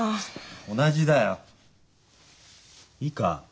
同じだよ。いいか？